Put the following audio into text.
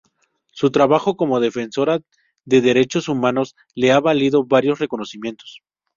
Su trabajo como defensora de derechos humanos le ha valido varios reconocimientos.